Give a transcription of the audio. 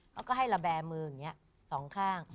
เขาก็ให้ระแบมืออย่างนี้สองข้าง